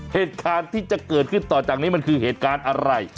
เหตุการณ์ที่จะเกิดขึ้นต่อจากนี้มันคือเหตุการณ์อะไร